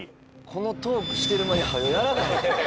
このトークしてる間に早うやらないと。